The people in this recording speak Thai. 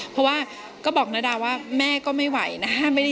เพราะว่าก็บอกนาดาว่าแม่ก็ไม่ไหวนะ